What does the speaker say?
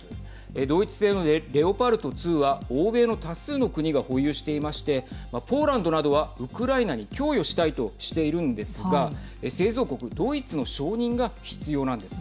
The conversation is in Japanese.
ドイツ製のレオパルト２は欧米の多数の国が保有していましてポーランドなどはウクライナに供与したいとしているんですが製造国ドイツの承認が必要なんです。